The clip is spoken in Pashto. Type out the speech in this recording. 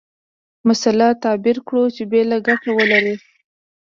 مسأله تعبیر کړو چې بل ګټه ولري.